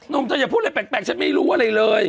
เธออย่าพูดอะไรแปลกฉันไม่รู้อะไรเลย